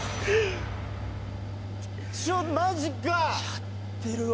やってるわ。